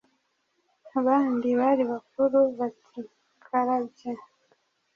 Abandi bari bakuru bati karabye